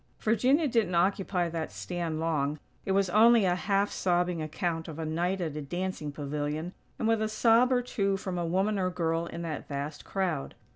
Virginia didn't occupy that stand long; it was only a half sobbing account of a night at a dancing pavilion; and with a sob or two from a woman or girl in that vast crowd.